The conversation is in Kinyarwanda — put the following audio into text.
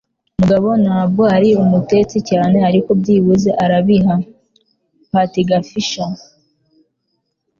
Mugabo ntabwo ari umutetsi cyane, ariko byibuze arabiha. (patgfisher)